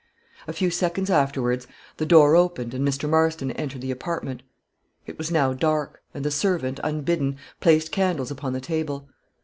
A few seconds afterwards the door opened, and Mr. Marston entered the apartment. It was now dark, and the servant, unbidden, placed candles upon the table.